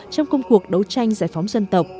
trong công cuộc đấu tranh giải phóng dân tộc